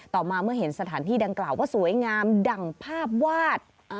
ต่อมาเมื่อเห็นสถานที่ดังกล่าวว่าสวยงามดั่งภาพวาด